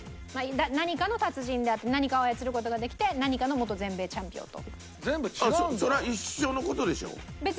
何かの達人であって何かを操る事ができて何かの元全米チャンピオンと。